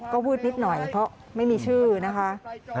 ก็วืดนิดหน่อยเพราะไม่มีชื่อนะคะ